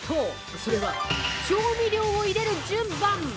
それは、調味料を入れる順番。